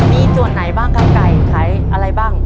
มีส่วนไหนบ้างครับไก่ขายอะไรบ้าง